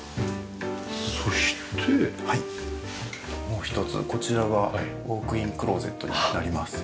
もう一つこちらがウォークインクローゼットになります。